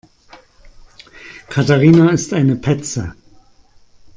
Katharina ist eine Petze.